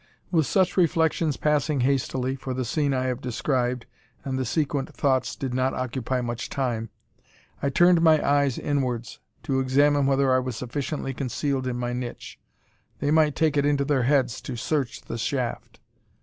With such reflections passing hastily for the scene I have described, and the sequent thoughts, did not occupy much time I turned my eyes inwards to examine whether I was sufficiently concealed in my niche. They might take it into their heads to search the shaft.